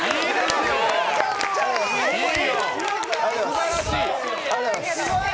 すばらしい。